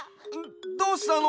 どうしたの？